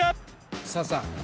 さあさあ。